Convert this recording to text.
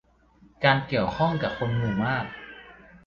การเกี่ยวข้องกับคนหมู่มาก